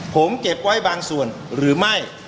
ผมเก็บไว้บางส่วนหรือไม่